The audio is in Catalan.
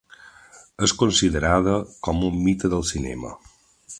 És considerada com un mite del cinema.